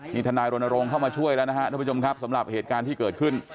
นี่ทนายรณรงค์เข้ามาช่วยแล้วนะครับทุกผู้ชมครับสำหรับเหตุการณ์ที่เกิดขึ้น